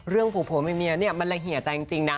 เรื่องผูกผัวแม่เมียมันระเหียจัยจริงนะ